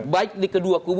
baik di kedua kubu